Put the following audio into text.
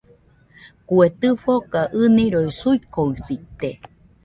Kue tɨfoka ɨniroi suikosite